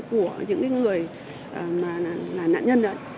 của những người nạn nhân